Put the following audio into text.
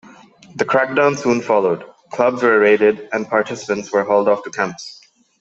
The crackdown soon followed: clubs were raided, and participants were hauled off to camps.